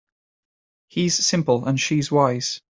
He's simple and she's wise.